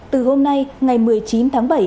từ hôm nay ngày một mươi chín tháng bảy